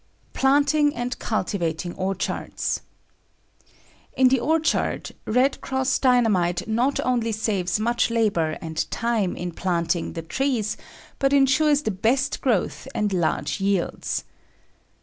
Planting and Cultivating Orchards. In the orchard "Red Cross" Dynamite not only saves much labor and time in planting the trees, but ensures the best growth and large yields.